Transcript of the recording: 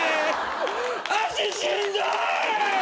足しんどい！